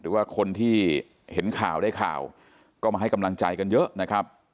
หรือว่าคนที่เห็นข่าวได้ข่าวก็มาให้กำลังใจกันเยอะนะครับ